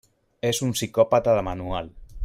És un psicòpata de manual.